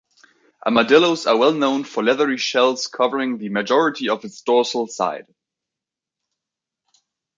Armadillos are well known for leathery shells covering the majority of its dorsal side.